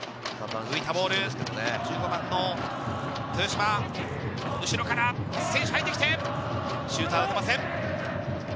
浮いたボール、１５番の豊嶋、後ろから選手が入ってきて、シュートは打てません。